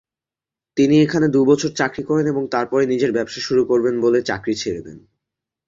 তিনি এখানে দু'বছর চাকরি করেন এবং তারপরে নিজের ব্যবসা শুরু করবেন বলে চাকরি ছেড়ে দেন।